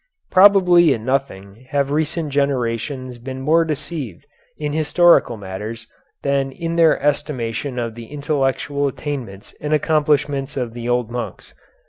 Probably in nothing have recent generations been more deceived in historical matters than in their estimation of the intellectual attainments and accomplishment of the old monks.